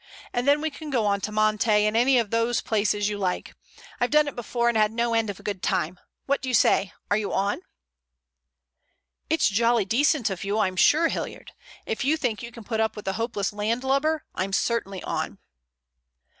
And then we can go on to Monte and any of those places you like. I've done it before and had no end of a good time. What do you say? Are you on?" "It's jolly decent of you, I'm sure, Hilliard. If you think you can put up with a hopeless landlubber, I'm certainly on."